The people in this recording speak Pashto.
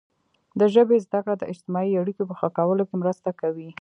د ژبې زده کړه د اجتماعي اړیکو په ښه کولو کې مرسته کوي.